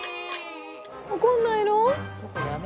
怒んないの？